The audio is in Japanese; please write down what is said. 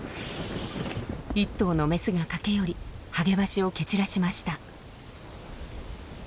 １頭のメスが駆け寄りハゲワシを蹴散らしました。